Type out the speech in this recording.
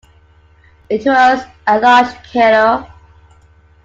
It was a large canoe.